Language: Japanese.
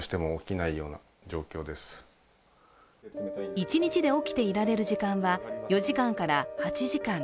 一日で起きていられる時間は４時間から８時間。